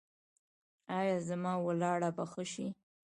ایا زما ولاړه به ښه شي؟